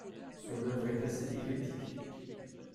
Son œuvre est assez éclectique.